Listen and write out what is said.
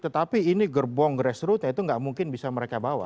tetapi ini gerbong grassrootnya itu nggak mungkin bisa mereka bawa